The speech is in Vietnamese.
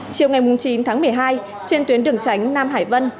chiều ngày chín tháng một mươi hai trên tuyến đường tránh nam hải vân